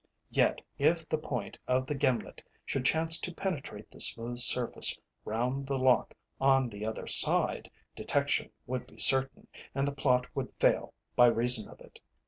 Yet if the point of the gimlet should chance to penetrate the smooth surface round the lock on the other side, detection would be certain, and the plot would fail by reason of it.